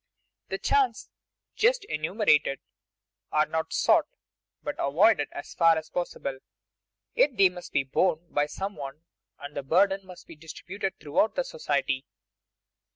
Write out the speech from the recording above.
The chances just enumerated are not sought, but avoided as far as possible; yet they must be borne by some one, and the burden must be distributed throughout society.